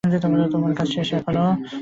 তোমার কাজ শেষ এখানে।